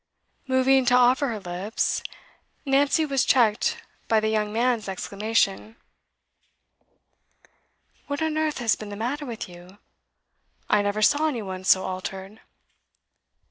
Moving to offer her lips, Nancy was checked by the young man's exclamation. 'What on earth has been the matter with you? I never saw any one so altered.